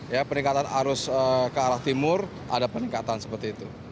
ya peningkatan arus ke arah timur ada peningkatan seperti itu